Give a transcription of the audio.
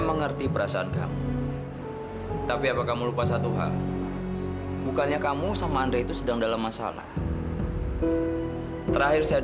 jangan pernah keluar dari rumah saya